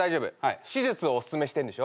手術をおすすめしてんでしょ？